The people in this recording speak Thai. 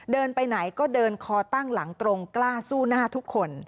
เดินไปไหนก็เดินคอตั้งหลังตรงกล้าสู้หน้าทุกคน